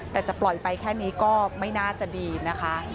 แต่จะปล่อยไปแค่นี้ก็ไม่น่าจะดีนะคะ